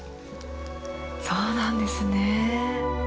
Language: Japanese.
そうなんですね。